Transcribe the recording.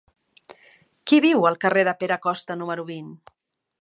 Qui viu al carrer de Pere Costa número vint?